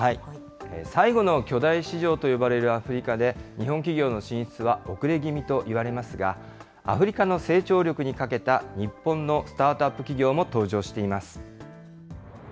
最後の巨大市場と呼ばれるアフリカで、日本企業の進出は遅れ気味といわれますが、アフリカの成長力にかけた日本のスタートアップ企業も登場しています。